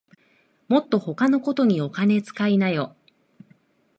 もっと他のことにお金つかいなよ